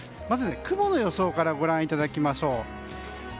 まず、雲の予想からご覧いただきましょう。